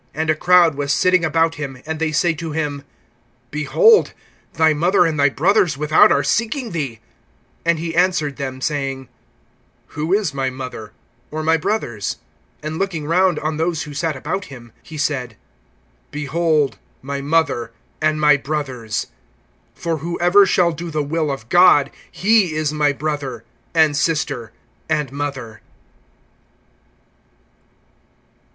(32)And a crowd was sitting about him; and they say to him: Behold, thy mother and thy brothers without are seeking thee. (33)And he answered them, saying: Who is my mother, or my brothers? (34)And looking round on those who sat about him, he said: Behold my mother, and my brothers! (35)For whoever shall do the will of God, he is my brother, and sister, and mother.